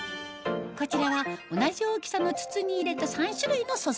こちらは同じ大きさの筒に入れた３種類の素材